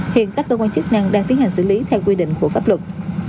hiện các cơ quan chức năng đang tiến hành xử lý theo quy định của pháp luật